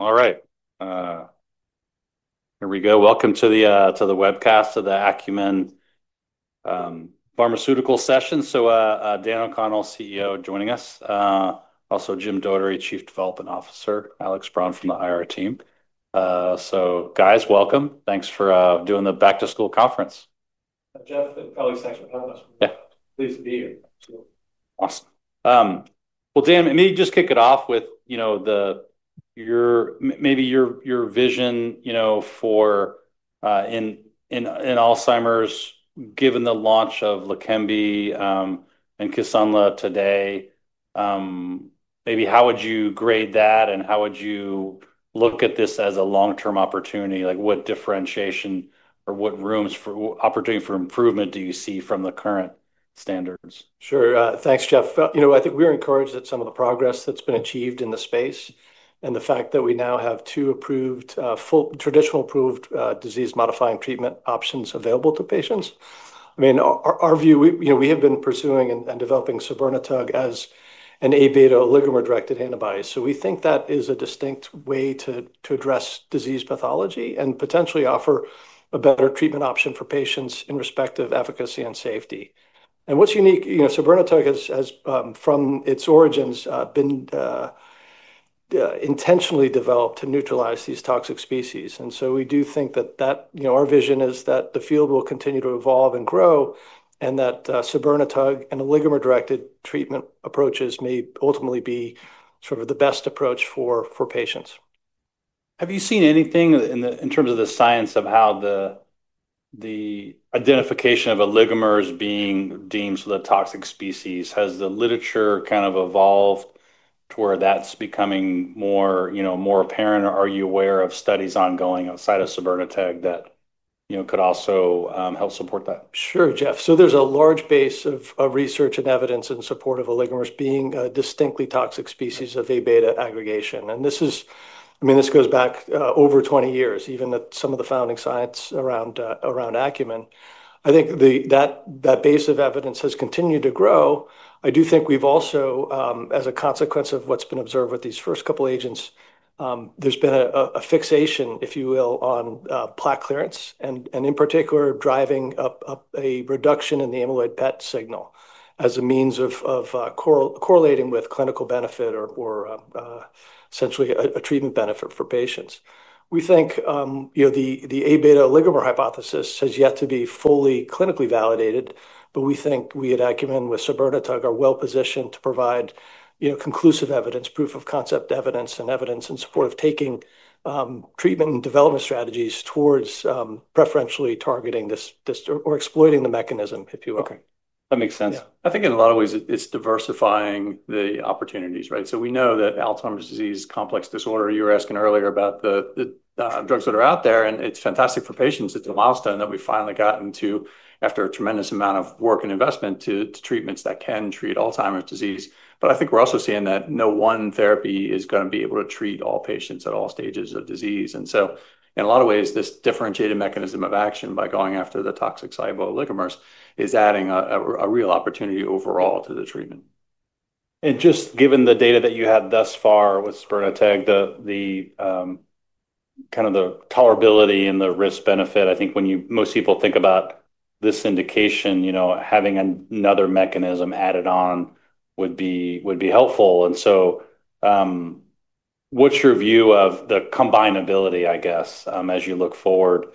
All right. Here we go. Welcome to the webcast of the Acumen Pharmaceuticals session. Daniel O'Connell, CEO, joining us. Also Jim Doherty, Chief Development Officer, Alex Braun from the IR team. Guys, welcome. Thanks for doing the back-to-school conference. Thanks for having us. Pleased to be here. Awesome. Dan, maybe just kick it off with your vision for Alzheimer's, given the launch of Leqembi and Kisunla today. Maybe how would you grade that and how would you look at this as a long-term opportunity? What differentiation or what rooms for opportunity for improvement do you see from the current standards? Sure. Thanks, Jeff. I think we are encouraged at some of the progress that's been achieved in the space and the fact that we now have two approved, full traditional approved, disease-modifying treatment options available to patients. I mean, our view, we have been pursuing and developing sabirnetug as an Aβ oligomer-directed antibody. We think that is a distinct way to address disease pathology and potentially offer a better treatment option for patients in respect of efficacy and safety. What's unique, sabirnetug has, from its origins, been intentionally developed to neutralize these toxic species. We do think that our vision is that the field will continue to evolve and grow and that sabirnetug and the oligomer-directed treatment approaches may ultimately be sort of the best approach for patients. Have you seen anything in terms of the science of how the identification of an oligomer is being deemed the toxic species? Has the literature kind of evolved to where that's becoming more, you know, more apparent? Are you aware of studies ongoing outside of sabirnetug that, you know, could also help support that? Sure, Jeff. There's a large base of research and evidence in support of an oligomer being a distinctly toxic species of Aβ aggregation. This goes back over 20 years, even at some of the founding science around Acumen. I think that base of evidence has continued to grow. I do think we've also, as a consequence of what's been observed with these first couple of agents, seen a fixation, if you will, on plaque clearance and, in particular, driving up a reduction in the amyloid PET signal as a means of correlating with clinical benefit or, essentially, a treatment benefit for patients. We think the Aβ oligomer hypothesis has yet to be fully clinically validated, but we at Acumen, with sabirnetug, are well-positioned to provide conclusive evidence, proof of concept evidence, and evidence in support of taking treatment and development strategies towards preferentially targeting this or exploiting the mechanism, if you will. Okay, that makes sense. Yeah. I think in a lot of ways, it's diversifying the opportunities, right? We know that Alzheimer's disease is a complex disorder. You were asking earlier about the drugs that are out there, and it's fantastic for patients. It's a milestone that we've finally gotten to after a tremendous amount of work and investment to treatments that can treat Alzheimer's disease. I think we're also seeing that no one therapy is going to be able to treat all patients at all stages of disease. In a lot of ways, this differentiated mechanism of action by going after the toxic Aβ oligomer is adding a real opportunity overall to the treatment. Given the data that you have thus far with sabirnetug, the tolerability and the risk-benefit, I think when most people think about this indication, having another mechanism added on would be helpful. What's your view of the combinability as you look forward?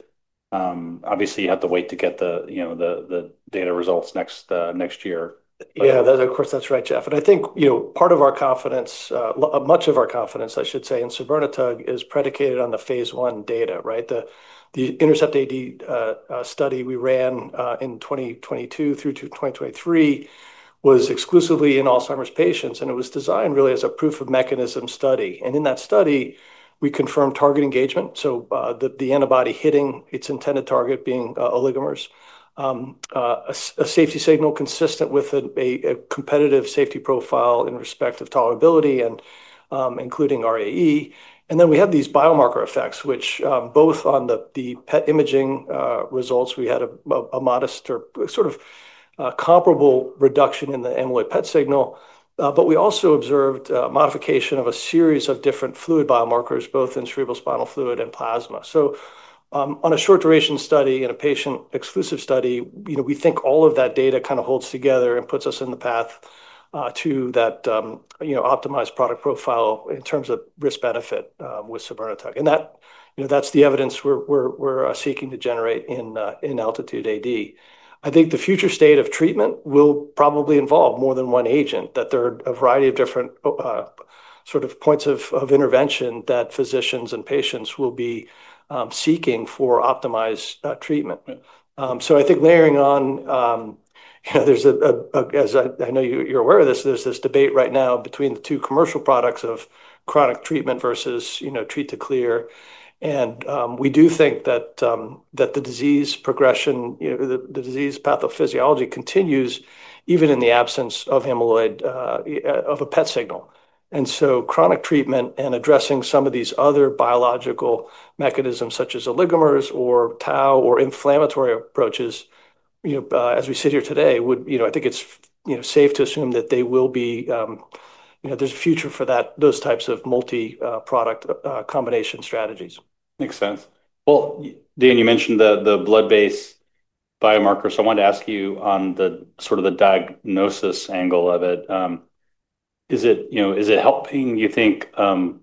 Obviously, you have to wait to get the data results next year. Yeah. Of course, that's right, Jeff. I think, you know, part of our confidence, much of our confidence, I should say, in sabirnetug is predicated on the Phase 1 data, right? The INTERCEPT-AD study we ran in 2022 through 2023 was exclusively in Alzheimer's patients, and it was designed really as a proof of mechanism study. In that study, we confirmed target engagement, so the antibody hitting its intended target being Aβ oligomers, a safety signal consistent with a competitive safety profile in respect of tolerability and including ARIA. We had these biomarker effects, which both on the PET imaging results, we had a modest or sort of comparable reduction in the amyloid PET signal. We also observed a modification of a series of different fluid biomarkers, both in cerebrospinal fluid and plasma. On a short-duration study and a patient-exclusive study, you know, we think all of that data kind of holds together and puts us in the path to that, you know, optimized product profile in terms of risk-benefit with sabirnetug. That's the evidence we're seeking to generate in ALTITUDE-AD. I think the future state of treatment will probably involve more than one agent, that there are a variety of different sort of points of intervention that physicians and patients will be seeking for optimized treatment. I think layering on, you know, there's a, as I know you're aware of this, there's this debate right now between the two commercial products of chronic treatment versus, you know, treat to clear. We do think that the disease progression, you know, the disease pathophysiology continues even in the absence of amyloid of a PET signal. Chronic treatment and addressing some of these other biological mechanisms such as Aβ oligomers or tau or inflammatory approaches, you know, as we sit here today, would, you know, I think it's, you know, safe to assume that they will be, you know, there's a future for those types of multi-product combination strategies. Makes sense. Dan, you mentioned the blood-based biomarkers. I wanted to ask you on the sort of the diagnosis angle of it. Is it, you know, is it helping, you think,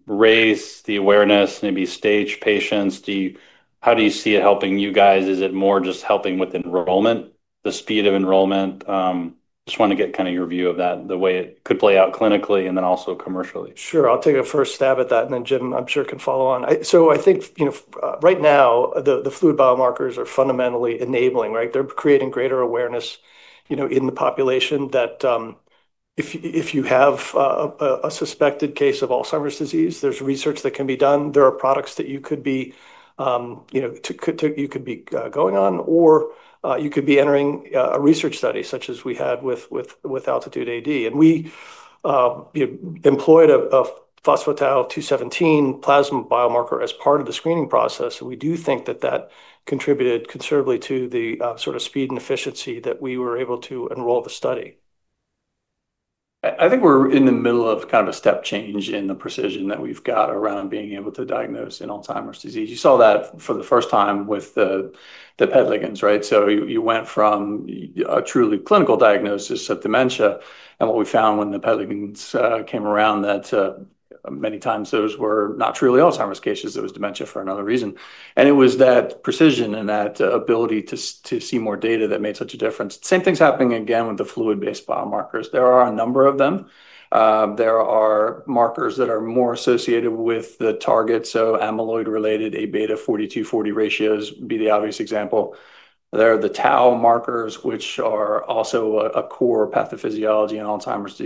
raise the awareness, maybe stage patients? Do you, how do you see it helping you guys? Is it more just helping with enrollment, the speed of enrollment? I just want to get kind of your view of that, the way it could play out clinically and then also commercially. Sure. I'll take a first stab at that, and then Jim, I'm sure can follow on. I think, you know, right now, the fluid biomarkers are fundamentally enabling, right? They're creating greater awareness, you know, in the population that if you have a suspected case of Alzheimer's disease, there's research that can be done. There are products that you could be, you know, you could be going on or you could be entering a research study such as we had with ALTITUDE-AD. We, you know, employed a pTau217 plasma screening assay as part of the screening process. We do think that that contributed considerably to the sort of speed and efficiency that we were able to enroll the study. I think we're in the middle of kind of a step change in the precision that we've got around being able to diagnose in Alzheimer's disease. You saw that for the first time with the PET ligands, right? You went from a truly clinical diagnosis of dementia. What we found when the PET ligands came around was that many times those were not truly Alzheimer's cases. It was dementia for another reason. It was that precision and that ability to see more data that made such a difference. The same thing's happening again with the fluid biomarkers. There are a number of them. There are markers that are more associated with the target, so amyloid-related Aβ 42-40 ratios would be the obvious example. There are the tau markers, which are also a core pathophysiology in Alzheimer's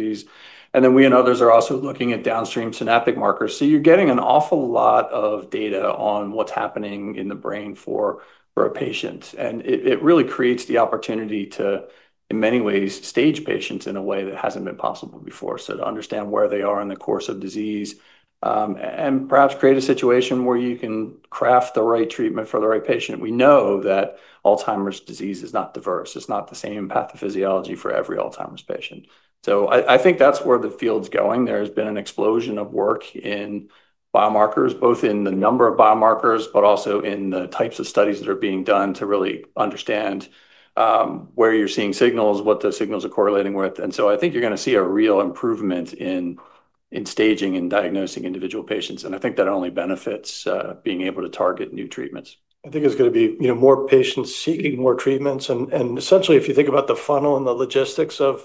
disease. We and others are also looking at downstream synaptic markers. You're getting an awful lot of data on what's happening in the brain for a patient. It really creates the opportunity to, in many ways, stage patients in a way that hasn't been possible before. To understand where they are in the course of disease and perhaps create a situation where you can craft the right treatment for the right patient. We know that Alzheimer's disease is not diverse. It's not the same pathophysiology for every Alzheimer's patient. I think that's where the field's going. There's been an explosion of work in biomarkers, both in the number of biomarkers, but also in the types of studies that are being done to really understand where you're seeing signals, what the signals are correlating with. I think you're going to see a real improvement in staging and diagnosing individual patients. I think that only benefits being able to target new treatments. I think it's going to be, you know, more patients seeking more treatments. Essentially, if you think about the funnel and the logistics of,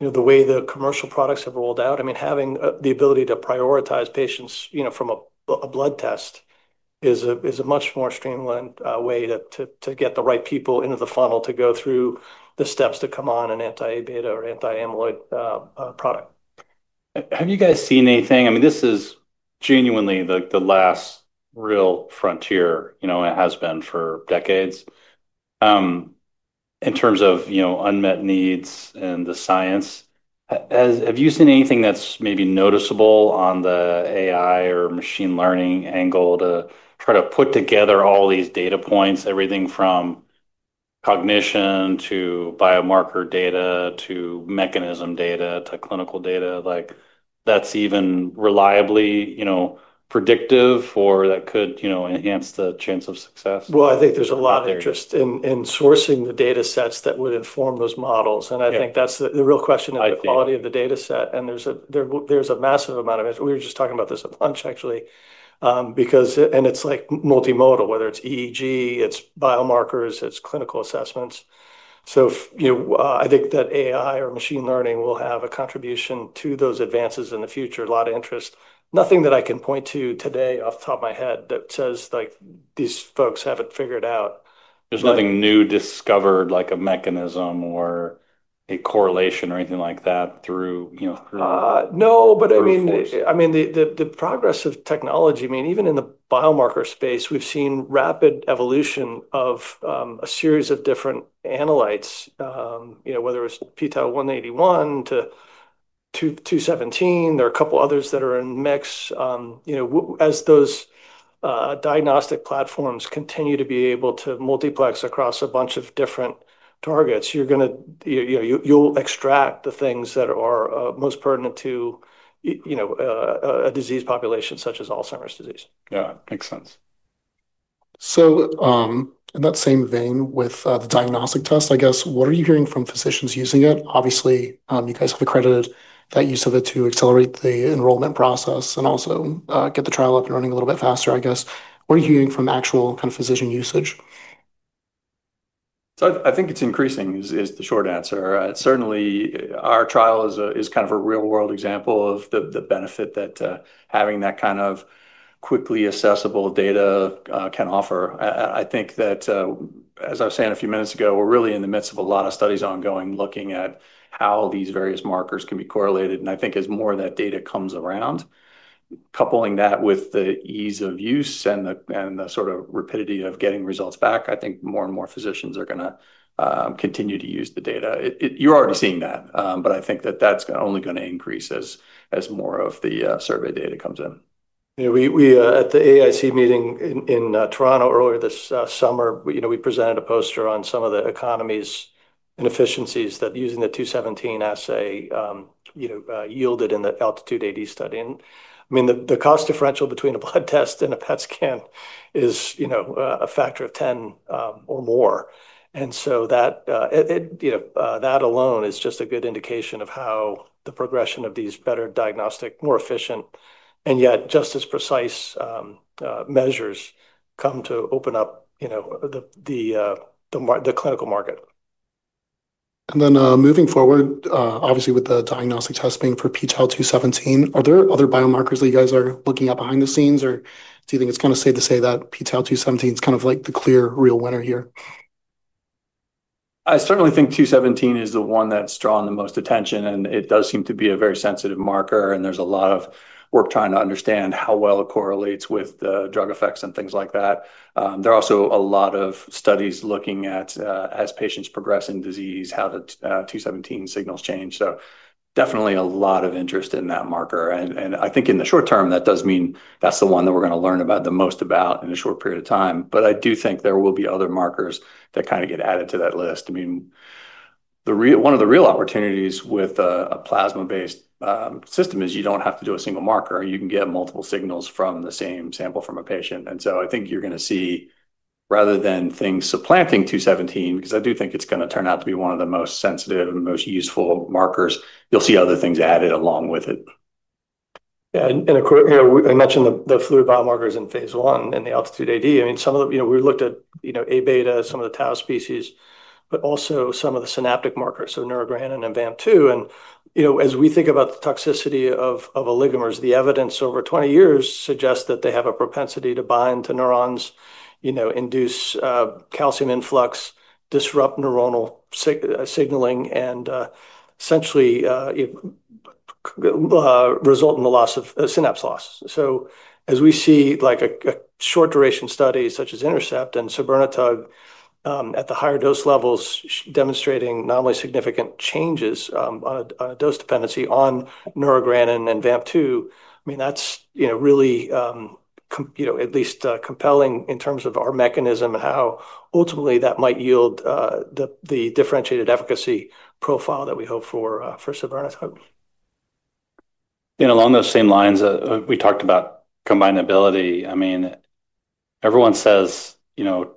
you know, the way the commercial products have rolled out, having the ability to prioritize patients, you know, from a blood test is a much more streamlined way to get the right people into the funnel to go through the steps to come on an anti-Aβ or anti-amyloid product. Have you guys seen anything? I mean, this is genuinely the last real frontier. It has been for decades in terms of unmet needs and the science. Have you seen anything that's maybe noticeable on the AI or machine learning angle to try to put together all these data points, everything from cognition to biomarker data to mechanism data to clinical data, that's even reliably predictive or that could enhance the chance of success? I think there's a lot of interest in sourcing the data sets that would inform those models. I think that's the real question of the quality of the data set. There's a massive amount of interest. We were just talking about this at lunch, actually, because it's like multimodal, whether it's EEG, it's biomarkers, it's clinical assessments. I think that AI or machine learning will have a contribution to those advances in the future, a lot of interest. Nothing that I can point to today off the top of my head that says like these folks have it figured out. There's nothing new discovered, like a mechanism or a correlation or anything like that. The progress of technology, even in the biomarker space, we've seen rapid evolution of a series of different analytes, you know, whether it was pTau181 to 217, there are a couple others that are in the mix. As those diagnostic platforms continue to be able to multiplex across a bunch of different targets, you're going to, you know, you'll extract the things that are most pertinent to, you know, a disease population such as Alzheimer's disease. Yeah, it makes sense. In that same vein with the diagnostic test, I guess, what are you hearing from physicians using it? Obviously, you guys have accredited that use of it to accelerate the enrollment process and also get the trial up and running a little bit faster, I guess. What are you hearing from actual kind of physician usage? I think it's increasing is the short answer. Certainly, our trial is kind of a real-world example of the benefit that having that kind of quickly accessible data can offer. I think that, as I was saying a few minutes ago, we're really in the midst of a lot of studies ongoing looking at how these various markers can be correlated. I think as more of that data comes around, coupling that with the ease of use and the sort of rapidity of getting results back, more and more physicians are going to continue to use the data. You're already seeing that, but I think that that's only going to increase as more of the survey data comes in. Yeah, we at the AAIC meeting in Toronto earlier this summer, we presented a poster on some of the economies and efficiencies that using the pTau217 plasma screening assay yielded in the ALTITUDE-AD study. I mean, the cost differential between a blood test and a PET scan is a factor of 10 or more. That alone is just a good indication of how the progression of these better diagnostic, more efficient, and yet just as precise measures come to open up the clinical market. Moving forward, obviously, with the diagnostic testing for pTau217, are there other biomarkers that you guys are looking at behind the scenes, or do you think it's kind of safe to say that pTau217 is kind of like the clear real winner here? I certainly think pTau217 is the one that's drawn the most attention, and it does seem to be a very sensitive marker. There's a lot of work trying to understand how well it correlates with the drug effects and things like that. There are also a lot of studies looking at, as patients progress in disease, how the pTau217 signals change. Definitely a lot of interest in that marker. I think in the short term, that does mean that's the one that we're going to learn the most about in a short period of time. I do think there will be other markers that get added to that list. One of the real opportunities with a plasma-based system is you don't have to do a single marker. You can get multiple signals from the same sample from a patient. I think you're going to see, rather than things supplanting pTau217, because I do think it's going to turn out to be one of the most sensitive and most useful markers, you'll see other things added along with it. Yeah. I mentioned the fluid biomarkers in Phase 1 and the ALTITUDE-AD. I mean, some of the, you know, we looked at, you know, Aβ, some of the tau species, but also some of the synaptic markers, so neurogranin and VAMP2. As we think about the toxicity of oligomers, the evidence over 20 years suggests that they have a propensity to bind to neurons, induce calcium influx, disrupt neuronal signaling, and essentially result in synapse loss. As we see a short-duration study such as INTERCEPT-AD and sabirnetug at the higher dose levels demonstrating non-insignificant changes on a dose dependency on neurogranin and VAMP2, I mean, that's really at least compelling in terms of our mechanism and how ultimately that might yield the differentiated efficacy profile that we hope for for sabirnetug. Along those same lines, we talked about combinability. I mean, everyone says, you know,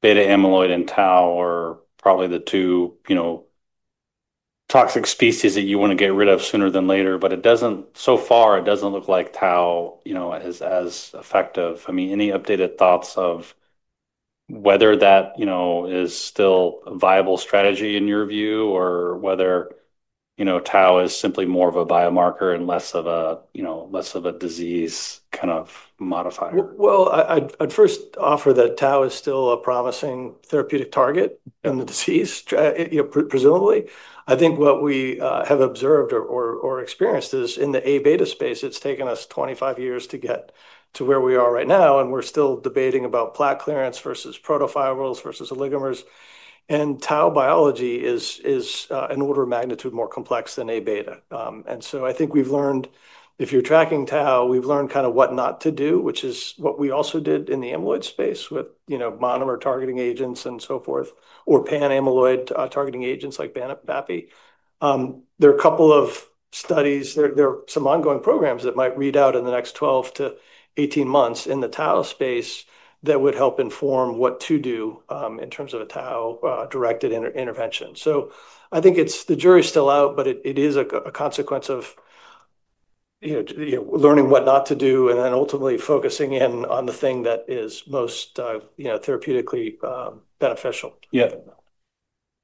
beta amyloid and tau are probably the two, you know, toxic species that you want to get rid of sooner than later. It doesn't, so far, it doesn't look like tau, you know, is as effective. I mean, any updated thoughts of whether that, you know, is still a viable strategy in your view or whether, you know, tau is simply more of a biomarker and less of a, you know, less of a disease kind of modifier? I'd first offer that tau is still a promising therapeutic target in the disease, you know, presumably. I think what we have observed or experienced is in the Aβ space, it's taken us 25 years to get to where we are right now. We're still debating about plaque clearance versus protofibrils versus oligomers. Tau biology is an order of magnitude more complex than Aβ. I think we've learned, if you're tracking tau, we've learned kind of what not to do, which is what we also did in the amyloid space with, you know, monomer targeting agents and so forth, or pan-amyloid targeting agents like Banopapi. There are a couple of studies, there are some ongoing programs that might read out in the next 12 to 18 months in the tau space that would help inform what to do in terms of a tau-directed intervention. I think the jury's still out, but it is a consequence of learning what not to do and then ultimately focusing in on the thing that is most, you know, therapeutically beneficial. Yeah.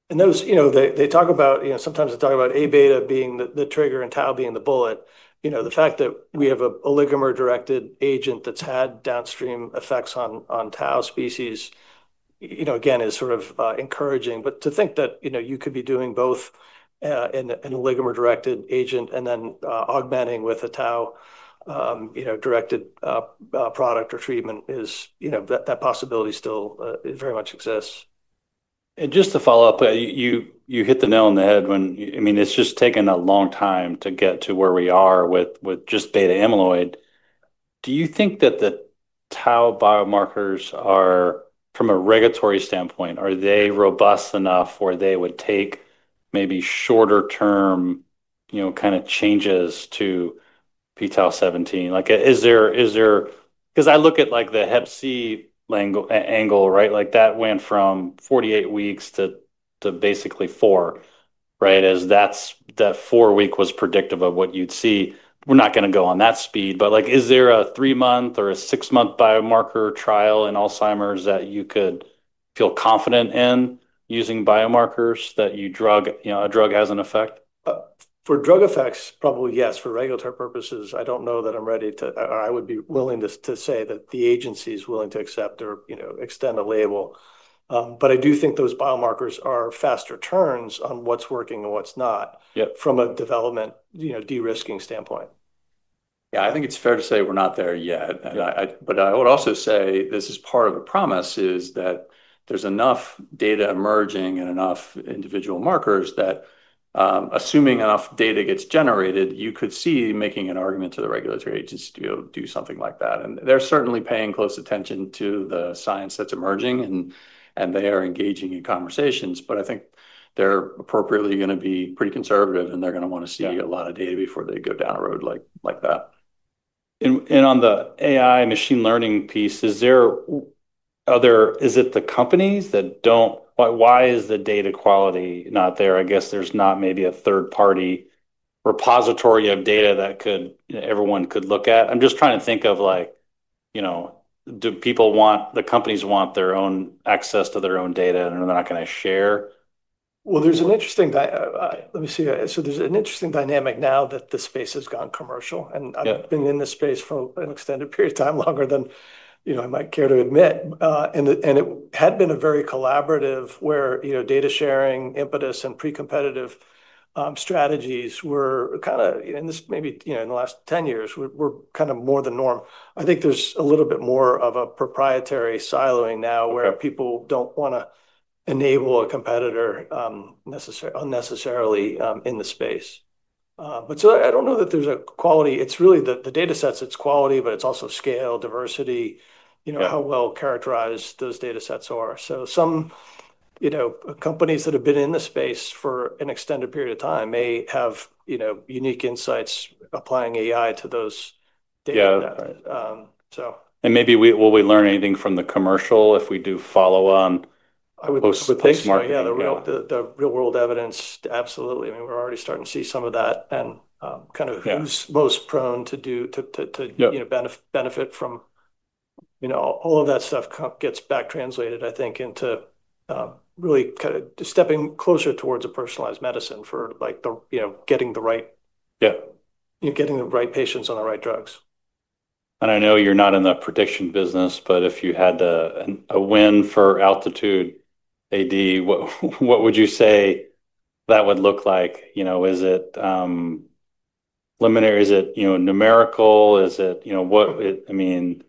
They talk about, you know, sometimes they talk about Aβ being the trigger and tau being the bullet. The fact that we have an oligomer-directed agent that's had downstream effects on tau species, you know, again, is sort of encouraging. To think that you could be doing both an oligomer-directed agent and then augmenting with a tau-directed product or treatment is, you know, that possibility still very much exists. Just to follow up, you hit the nail on the head when, I mean, it's just taken a long time to get to where we are with just beta amyloid. Do you think that the tau biomarkers are, from a regulatory standpoint, are they robust enough where they would take maybe shorter-term, you know, kind of changes to pTau217? Like, is there, is there, because I look at like the Hep C angle, right? That went from 48 weeks to basically four, right? As that four-week was predictive of what you'd see, we're not going to go on that speed. Like, is there a three-month or a six-month biomarker trial in Alzheimer's that you could feel confident in using biomarkers that you drug, you know, a drug has an effect? For drug effects, probably yes. For regulatory purposes, I don't know that I'm ready to, or I would be willing to say that the agency is willing to accept or extend the label. I do think those biomarkers are faster turns on what's working and what's not from a development, de-risking standpoint. I think it's fair to say we're not there yet. I would also say this is part of the promise, that there's enough data emerging and enough individual markers that, assuming enough data gets generated, you could see making an argument to the regulatory agencies to be able to do something like that. They're certainly paying close attention to the science that's emerging, and they are engaging in conversations. I think they're appropriately going to be pretty conservative, and they're going to want to see a lot of data before they go down a road like that. On the AI/machine learning piece, is it the companies that don't, why is the data quality not there? I guess there's not maybe a third-party repository of data that everyone could look at. I'm just trying to think of, you know, do people want, the companies want their own access to their own data, and they're not going to share? There's an interesting dynamic now that the space has gone commercial. I've been in this space for an extended period of time, longer than I might care to admit. It had been very collaborative where data sharing, impetus, and pre-competitive strategies were, in the last 10 years, kind of more the norm. I think there's a little bit more of a proprietary siloing now where people don't want to enable a competitor unnecessarily in the space. I don't know that there's a quality, it's really the data sets, it's quality, but it's also scale, diversity, how well characterized those data sets are. Some companies that have been in the space for an extended period of time may have unique insights applying AI to those data. Will we learn anything from the commercial if we do follow-on post-market? Yeah, the real-world evidence, absolutely. We're already starting to see some of that and kind of who's most prone to benefit from, you know, all of that stuff gets back translated, I think, into really kind of stepping closer towards a personalized medicine for like the, you know, getting the right, yeah, you know, getting the right patients on the right drugs. I know you're not in the prediction business, but if you had a win for ALTITUDE-AD, what would you say that would look like? Is it preliminary, is it numerical, is it, what, I mean,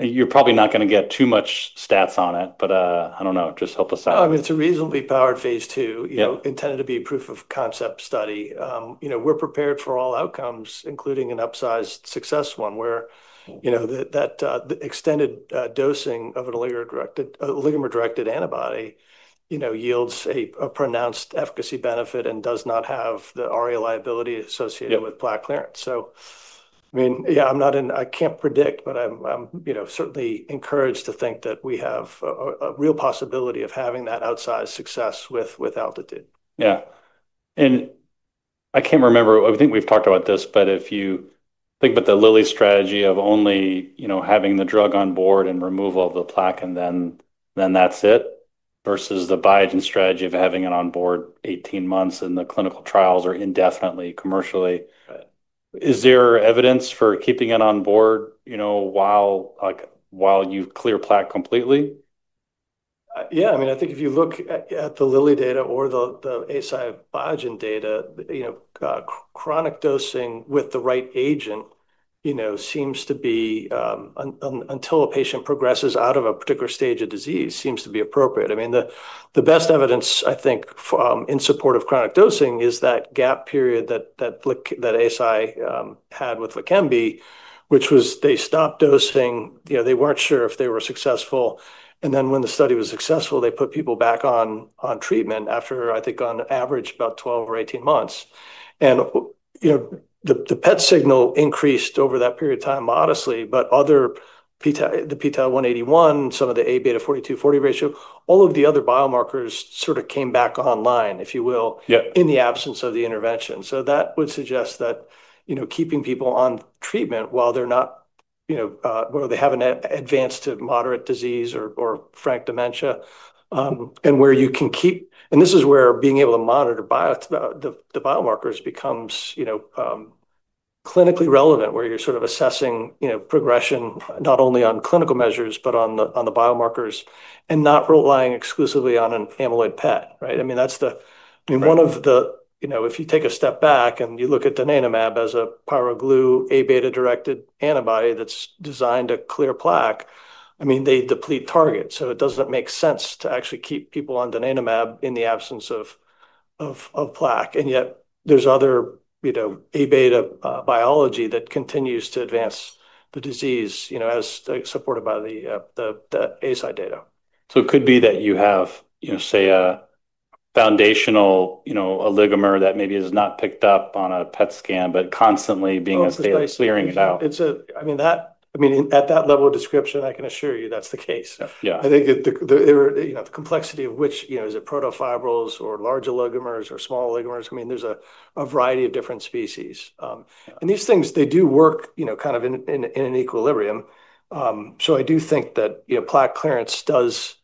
you're probably not going to get too much stats on it, but I don't know, just help us out. I mean, it's a reasonably powered phase 2, you know, intended to be a proof of concept study. We're prepared for all outcomes, including an outsized success one where that extended dosing of an oligomer-directed antibody yields a pronounced efficacy benefit and does not have the RA liability associated with plaque clearance. I can't predict, but I'm certainly encouraged to think that we have a real possibility of having that outsized success with ALTITUDE-AD. I can't remember, I think we've talked about this, but if you think about the Lilly strategy of only, you know, having the drug on board and removal of the plaque and then that's it, versus the Biogen strategy of having it on board 18 months and the clinical trials are indefinitely commercially, is there evidence for keeping it on board, you know, while you clear plaque completely? Yeah, I mean, I think if you look at the Lilly data or the Biogen data, you know, chronic dosing with the right agent seems to be, until a patient progresses out of a particular stage of disease, seems to be appropriate. I mean, the best evidence, I think, in support of chronic dosing is that gap period that Eisai had with Leqembi, which was they stopped dosing, they weren't sure if they were successful. When the study was successful, they put people back on treatment after, I think, on average, about 12 or 18 months. The PET signal increased over that period of time modestly, but other pTau181, some of the Aβ42/40 ratio, all of the other biomarkers sort of came back online, if you will, in the absence of the intervention. That would suggest that keeping people on treatment while they're not, where they haven't advanced to moderate disease or frank dementia, and where you can keep, and this is where being able to monitor the biomarkers becomes clinically relevant, where you're sort of assessing progression not only on clinical measures, but on the biomarkers and not relying exclusively on an amyloid PET, right? I mean, that's the, I mean, one of the, you know, if you take a step back and you look at donanemab as a pyroglutamate Aβ-directed antibody that's designed to clear plaque, I mean, they deplete targets. It doesn't make sense to actually keep people on donanemab in the absence of plaque. Yet there's other Aβ biology that continues to advance the disease, as supported by the Eisai data. It could be that you have, you know, say a foundational, you know, oligomer that maybe is not picked up on a PET scan, but constantly being a space clearing it out. At that level of description, I can assure you that's the case. Yeah. I think that the complexity of which, you know, is it protofibrils or larger oligomers or small oligomers? I mean, there's a variety of different species. These things, they do work, you know, kind of in an equilibrium. I do think that, you know, plaque clearance does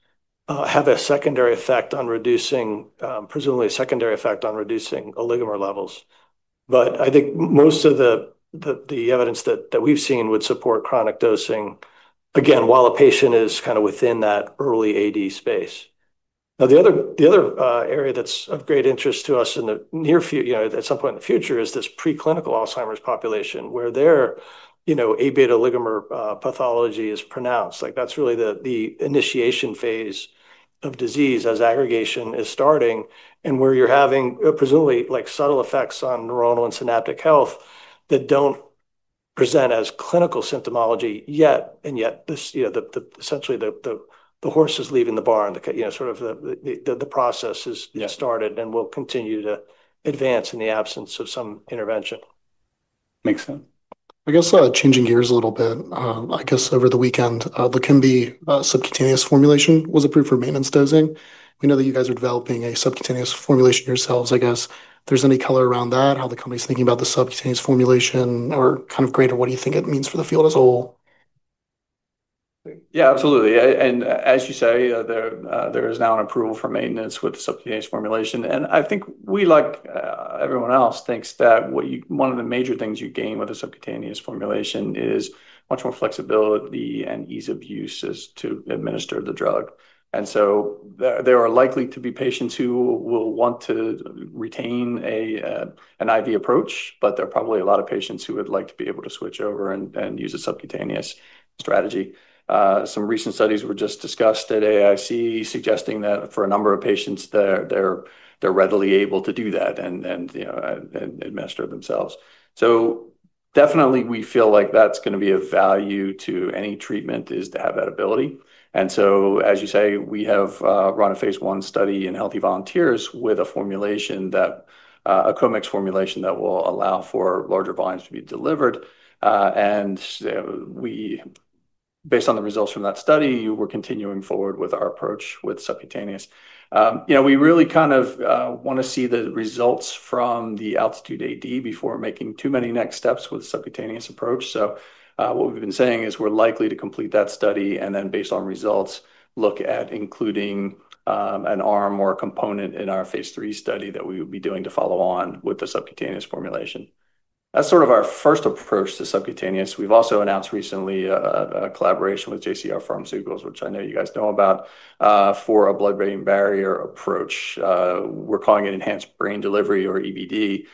have a secondary effect on reducing, presumably a secondary effect on reducing oligomer levels. I think most of the evidence that we've seen would support chronic dosing, again, while a patient is kind of within that early AD space. The other area that's of great interest to us in the near future, you know, at some point in the future, is this preclinical Alzheimer's population where their, you know, Aβ oligomer pathology is pronounced. Like, that's really the initiation phase of disease as aggregation is starting and where you're having presumably like subtle effects on neuronal and synaptic health that don't present as clinical symptomology yet. Yet this, you know, essentially the horse is leaving the barn, you know, sort of the process is started and will continue to advance in the absence of some intervention. Makes sense. Changing gears a little bit, over the weekend, Leqembi subcutaneous formulation was approved for maintenance dosing. We know that you guys are developing a subcutaneous formulation yourselves. If there's any color around that, how the company's thinking about the subcutaneous formulation or kind of greater, what do you think it means for the field as a whole? Yeah, absolutely. As you say, there is now an approval for maintenance with the subcutaneous formulation. I think we, like everyone else, think that one of the major things you gain with a subcutaneous formulation is much more flexibility and ease of use to administer the drug. There are likely to be patients who will want to retain an IV approach, but there are probably a lot of patients who would like to be able to switch over and use a subcutaneous strategy. Some recent studies were just discussed at AIC suggesting that for a number of patients, they're readily able to do that and administer themselves. We definitely feel like that's going to be of value to any treatment, to have that ability. As you say, we have run a phase 1 study in healthy volunteers with a formulation, a COMEX formulation, that will allow for larger volumes to be delivered. Based on the results from that study, we're continuing forward with our approach with subcutaneous. We really kind of want to see the results from the ALTITUDE-AD before making too many next steps with the subcutaneous approach. What we've been saying is we're likely to complete that study and then, based on results, look at including an arm or a component in our phase 3 study that we would be doing to follow on with the subcutaneous formulation. That's sort of our first approach to subcutaneous. We've also announced recently a collaboration with JCR Pharmaceuticals, which I know you guys know about, for a blood-brain barrier approach. We're calling it enhanced brain delivery or EBD.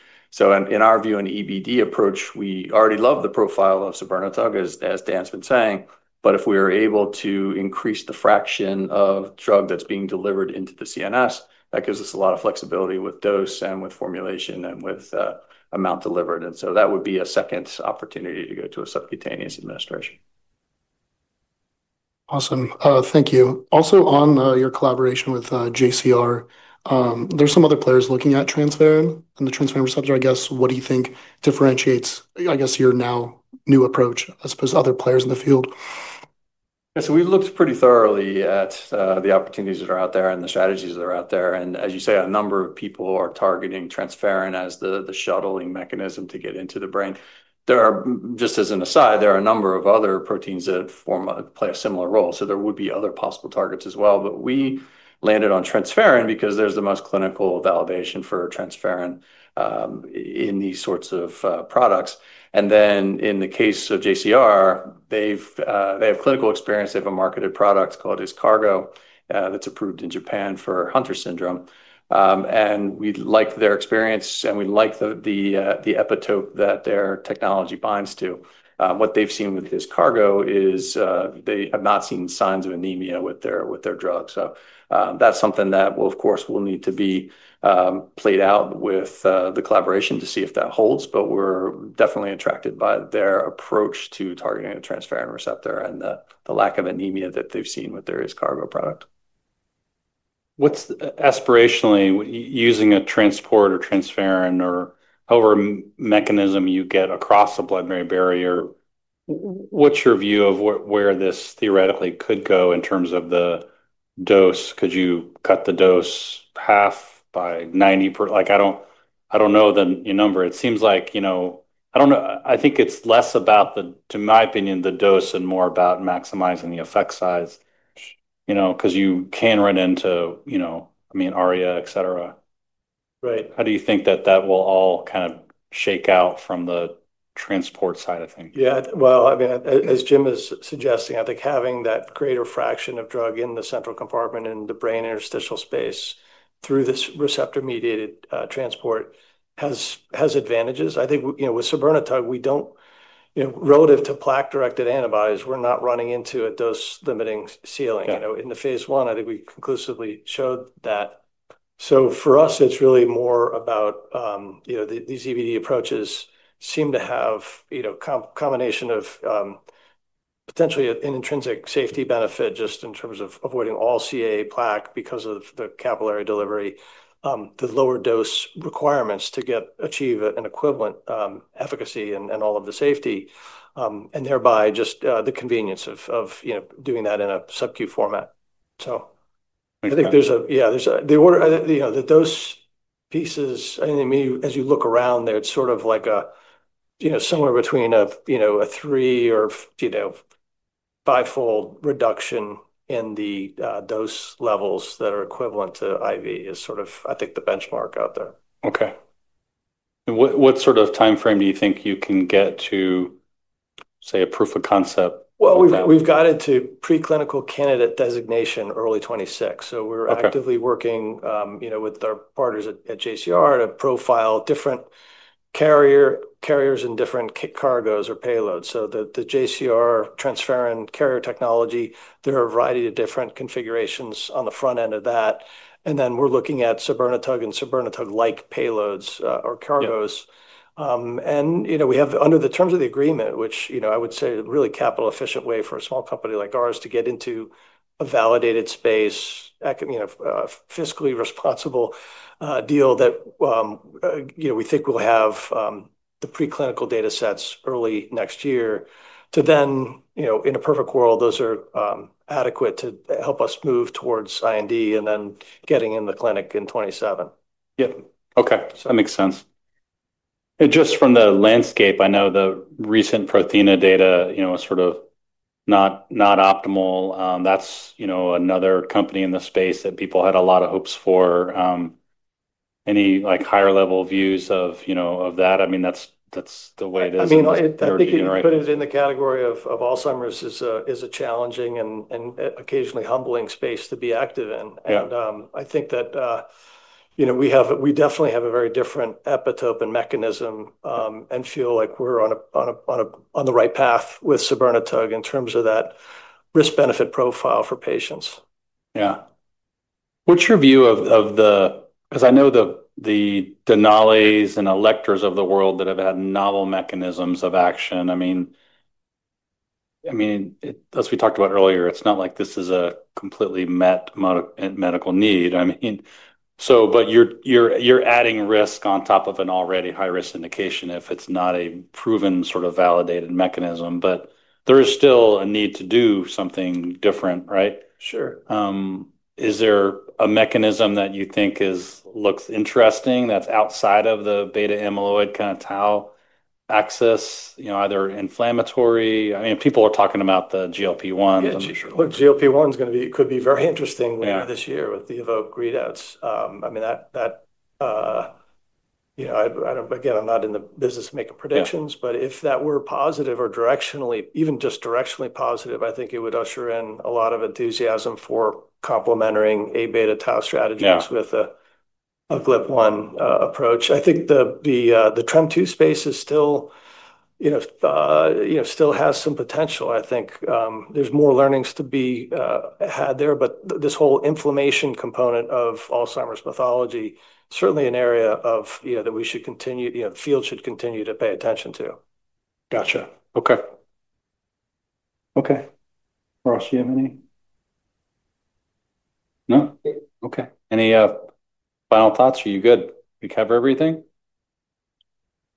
In our view, an EBD approach, we already love the profile of sabirnetug, as Dan's been saying, but if we are able to increase the fraction of drug that's being delivered into the CNS, that gives us a lot of flexibility with dose and with formulation and with amount delivered. That would be a second opportunity to go to a subcutaneous administration. Awesome. Thank you. Also, on your collaboration with JCR Pharmaceuticals, there's some other players looking at transferrin and the transferrin receptor. What do you think differentiates your now new approach as opposed to other players in the field? Yeah, so we've looked pretty thoroughly at the opportunities that are out there and the strategies that are out there. As you say, a number of people are targeting transferrin as the shuttling mechanism to get into the brain. There are, just as an aside, a number of other proteins that play a similar role, so there would be other possible targets as well. We landed on transferrin because there's the most clinical validation for transferrin in these sorts of products. In the case of JCR Pharmaceuticals, they have clinical experience. They have a marketed product called HisCargo that's approved in Japan for Hunter's syndrome. We like their experience and we like the epitope that their technology binds to. What they've seen with HisCargo is they have not seen signs of anemia with their drug. That's something that, of course, will need to be played out with the collaboration to see if that holds. We're definitely attracted by their approach to targeting a transferrin receptor and the lack of anemia that they've seen with their HisCargo product. What's aspirationally using a transport or transferrin or however mechanism you get across the blood-brain barrier, what's your view of where this theoretically could go in terms of the dose? Could you cut the dose half by 90%? I don't know the number. It seems like, I don't know. I think it's less about the, to my opinion, the dose and more about maximizing the effect size, because you can run into, I mean, ARIA, et cetera. Right. How do you think that will all kind of shake out from the transport side of things? Yeah, as Jim is suggesting, I think having that greater fraction of drug in the central compartment and the brain interstitial space through this receptor-mediated transport has advantages. I think, with sabirnetug, we don't, relative to plaque-directed antibodies, we're not running into a dose-limiting ceiling. In the phase one, I think we conclusively showed that. For us, it's really more about these EBD approaches seeming to have a combination of potentially an intrinsic safety benefit just in terms of avoiding all CA plaque because of the capillary delivery, the lower dose requirements to achieve an equivalent efficacy and all of the safety, and thereby just the convenience of doing that in a subcutaneous format. I think there's the order, the dose pieces, maybe as you look around there, it's sort of like somewhere between a three or bifold reduction in the dose levels that are equivalent to IV is sort of, I think, the benchmark out there. Okay. What sort of timeframe do you think you can get to, say, a proof of concept? We got into preclinical candidate designation early 2026. We are actively working with our partners at JCR Pharmaceuticals to profile different carriers and different cargoes or payloads. The JCR transferrin carrier technology has a variety of different configurations on the front end of that. We are looking at sabirnetug and sabirnetug-like payloads or cargoes. Under the terms of the agreement, which I would say is a really capital-efficient way for a small company like ours to get into a validated space, it is a fiscally responsible deal. We think we'll have the preclinical data sets early next year. In a perfect world, those are adequate to help us move towards IND and then getting in the clinic in 2027. Yep, okay. That makes sense. From the landscape, I know the recent Prothena data was sort of not optimal. That's another company in the space that people had a lot of hopes for. Any higher-level views of that? I mean, that's the way it is. I mean, I think putting it in the category of Alzheimer's is a challenging and occasionally humbling space to be active in. I think that, you know, we definitely have a very different epitope and mechanism and feel like we're on the right path with sabirnetug in terms of that risk-benefit profile for patients. Yeah. What's your view of the, because I know the Denalis and Electors of the world that have had novel mechanisms of action. As we talked about earlier, it's not like this is a completely met medical need. You're adding risk on top of an already high-risk indication if it's not a proven sort of validated mechanism. There is still a need to do something different, right? Sure. Is there a mechanism that you think looks interesting that's outside of the beta amyloid kind of TAO axis, you know, either inflammatory? I mean, people are talking about the GLP-1. Yeah, GLP-1 is going to be, could be very interesting later this year with the Evoke readouts. I mean, that, you know, again, I'm not in the business to make predictions, but if that were positive or directionally, even just directionally positive, I think it would usher in a lot of enthusiasm for complementing Aβ, tau strategies with a GLP-1 approach. I think the TREM2 space is still, you know, still has some potential. I think there's more learnings to be had there, but this whole inflammation component of Alzheimer's pathology is certainly an area that we should continue, you know, the field should continue to pay attention to. Okay. I'll see if you have any. Okay. Any final thoughts? Are you good? We covered everything?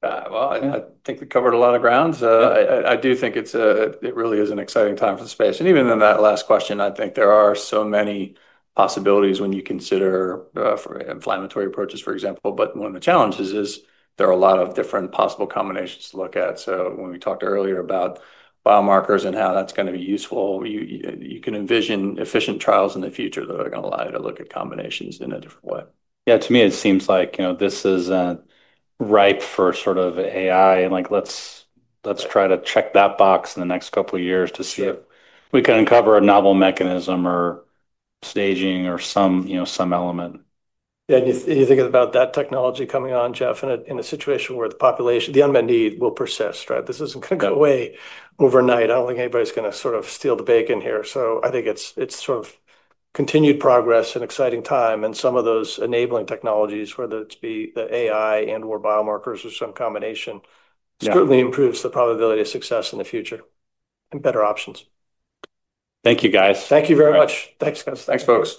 I think we covered a lot of grounds. I do think it really is an exciting time for the space. Even in that last question, I think there are so many possibilities when you consider inflammatory approaches, for example. One of the challenges is there are a lot of different possible combinations to look at. When we talked earlier about biomarkers and how that's going to be useful, you can envision efficient trials in the future that are going to allow you to look at combinations in a different way. Yeah, to me, it seems like, you know, this isn't ripe for sort of AI/machine learning, like, let's try to check that box in the next couple of years to see if we can uncover a novel mechanism or staging or some, you know, some element. Yeah, and you think about that technology coming on, Jeff, in a situation where the population, the unmet need will persist, right? This isn't going to go away overnight. I don't think anybody's going to sort of steal the bacon here. I think it's sort of continued progress and exciting time. Some of those enabling technologies, whether it be the AI and/or biomarkers or some combination, certainly improves the probability of success in the future and better options. Thank you, guys. Thank you very much. Thanks, guys. Thanks, folks.